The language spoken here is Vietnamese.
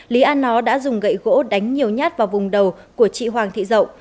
lý an nó đã dùng gậy gỗ đánh nhiều nhát vào vùng đầu của chị hoàng thị dậu